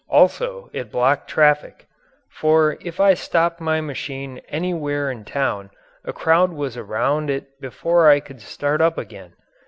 Also it blocked traffic. For if I stopped my machine anywhere in town a crowd was around it before I could start up again.